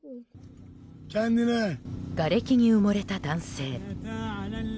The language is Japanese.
がれきに埋もれた男性。